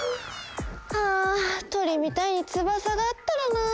ああとりみたいにつばさがあったらなあ。